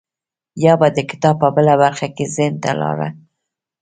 يا به د کتاب په بله برخه کې ذهن ته لاره وکړي.